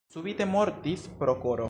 Subite mortis pro koro.